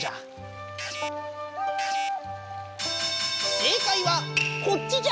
正解はこっちじゃ！